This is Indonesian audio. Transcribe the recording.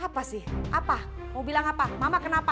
apa sih apa mau bilang apa mama kenapa